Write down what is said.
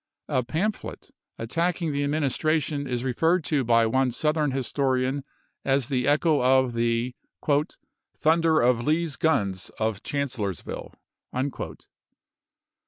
A pamphlet attacking the Administration is General referred to by one Southern historian as the echo ppL269, 270. of the " thunder of Lee's guns of Chancellorsville."